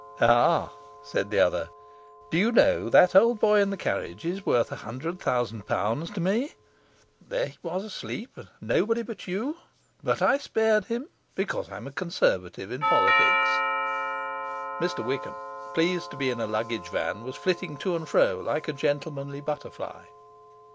'Ah!' said the other, 'do you know that old boy in the carriage is worth a hundred thousand pounds to me? There he was asleep, and nobody there but you! But I spared him, because I'm a Conservative in politics.' Mr Wickham, pleased to be in a luggage van, was flitting to and fro like a gentlemanly butterfly.